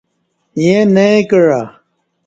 ییں نئی کعہ۔